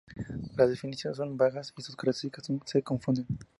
Las definiciones son vagas y sus características se confunden.